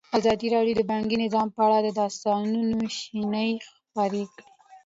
ازادي راډیو د بانکي نظام په اړه د استادانو شننې خپرې کړي.